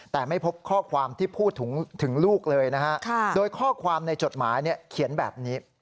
แต่ไม่พบข้อความที่พูดถึงลูกเลยนะฮะโดยข้อความในจดหมายเขียนแบบนี้